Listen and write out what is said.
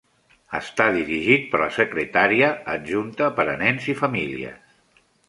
Està dirigit per la secretària adjunta per a nens i famílies.